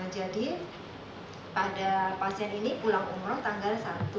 jadi pada pasien ini pulang umroh tanggal satu